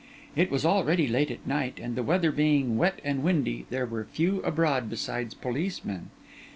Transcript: It was already late at night, and the weather being wet and windy, there were few abroad besides policemen.